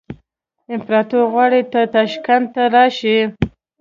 امپراطور غواړي ته تاشکند ته راشې.